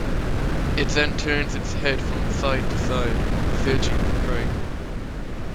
It then turns its head from side to side searching for prey.